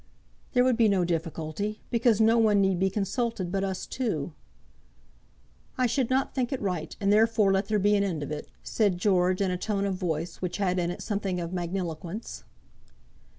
"There would be no difficulty, because no one need be consulted but us two." "I should not think it right, and therefore let there be an end of it," said George in a tone of voice which had in it something of magniloquence.